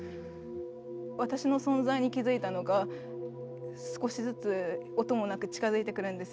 私の存在に気付いたのか少しずつ音もなく近づいてくるんですよね。